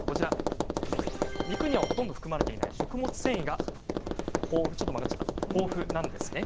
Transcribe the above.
肉にはほとんど含まれていない食物繊維が豊富なんです。